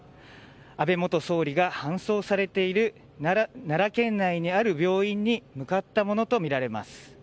安倍元総理が搬送されている奈良県内にある病院に向かったものとみられます。